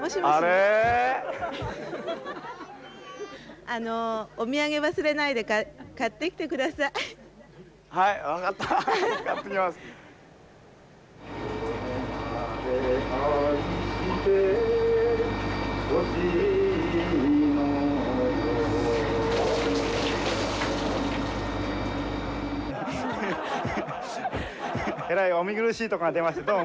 えらいお見苦しいところが出ましてどうも申し訳ないです。